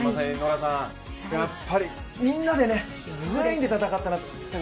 やっぱりみんなで、全員で戦ったなと。